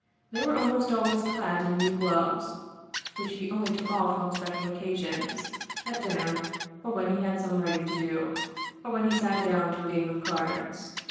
They were almost always clad in new gloves, which he only took off on special occasions, at dinner, or when he had some writing to do, or when he sat down to a game of cards.